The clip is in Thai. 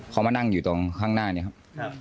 เขามานั่งอยู่ตรงข้างหน้านี้ครับ